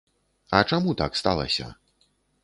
А чаму так сталася?